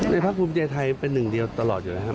ในพักภูมิใจไทยเป็นหนึ่งเดียวตลอดอยู่นะครับ